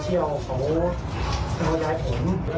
แต่ตอนนั้นเหมือนให้มีลูกชายกว่าเล็กแล้วก็